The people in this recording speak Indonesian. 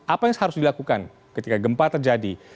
apa yang harus dilakukan ketika gempa terjadi